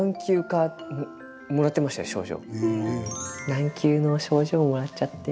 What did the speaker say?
何級の賞状もらっちゃって。